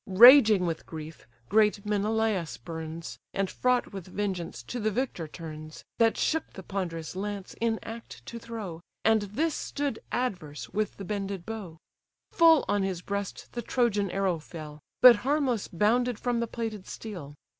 Raging with grief, great Menelaus burns, And fraught with vengeance, to the victor turns: That shook the ponderous lance, in act to throw; And this stood adverse with the bended bow: Full on his breast the Trojan arrow fell, But harmless bounded from the plated steel.